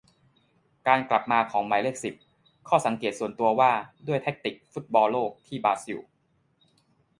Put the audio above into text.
การกลับมาของหมายเลขสิบ : ข้อสังเกตส่วนตัวว่าด้วยแทคติคฟุตบอลโลกที่บราซิล